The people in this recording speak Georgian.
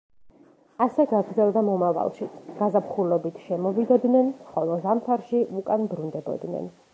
ასე გაგრძელდა მომავალშიც: გაზაფხულობით შემოვიდოდნენ, ხოლო ზამთარში უკან ბრუნდებოდნენ.